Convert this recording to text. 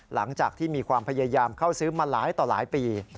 หลังจากที่มีความพยายามเข้าซื้อมาหลายต่อหลายปี